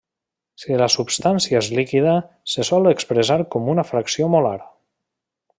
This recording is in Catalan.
Si la substància és líquida, se sol expressar com una fracció molar.